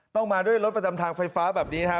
มาด้วยรถประจำทางไฟฟ้าแบบนี้ฮะ